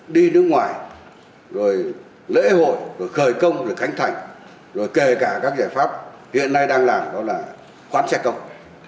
đi nước ngoài lễ hội khởi công khánh thành kể cả các giải pháp hiện nay đang làm đó là khoán xe cộng